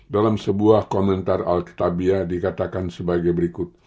dalam sebuah komentar al kitabiyah dikatakan sebagai berikut